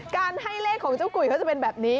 การให้เลขของเจ้ากุยเขาจะเป็นแบบนี้